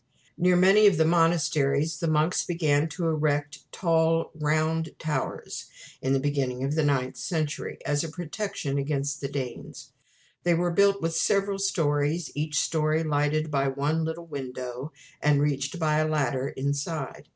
Near many of the monasteries the monks began to erect tall Round Towers in the beginning of the ninth century, as a protection against the Danes. They were built with several stories, each story lighted by one little window, and reached by a ladder inside.